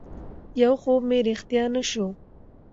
يو خوب مې رښتيا نه شو